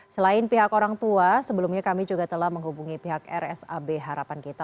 selain pihak orang tua sebelumnya kami juga telah menghubungi pihak rsab harapan kita